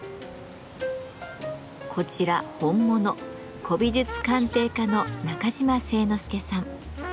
こちら本物古美術鑑定家の中島誠之助さん。